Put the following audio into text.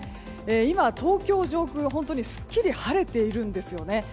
今、東京上空が本当にすっきり晴れているんですよね。